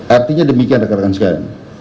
artinya demikian rekan rekan sekalian